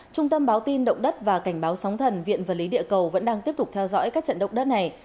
trung tâm báo tin động đất và cảnh báo sóng thần viện vật lý địa cầu vẫn đang tiếp tục theo dõi các trận động đất này